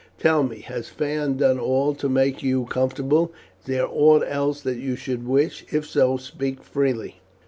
Tell me, has Phaon done all to make you comfortable? Is there aught else that you would wish? if so, speak freely."